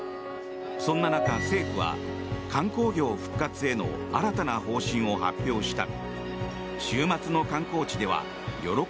そんな中、政府は観光業復活への新たな方針を発表した。